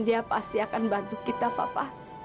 dia pasti akan bantu kita papa